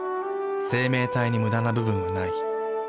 生命体にムダな部分はない。